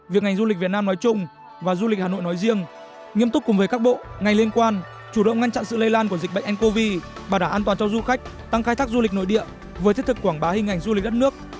việc ngành du lịch việt nam nói chung và du lịch hà nội nói riêng nghiêm túc cùng với các bộ ngành liên quan chủ động ngăn chặn sự lây lan của dịch bệnh ncov bảo đảm an toàn cho du khách tăng khai thác du lịch nội địa với thiết thực quảng bá hình ảnh du lịch đất nước